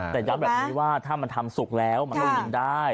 แต่ย้ำแบบนี้ว่าถ้ามันทำสุกแล้วมันต้องกินได้